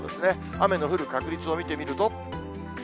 雨の降る確率を見てみると。